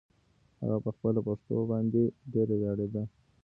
هغه په خپله پښتو باندې ډېره ویاړېده.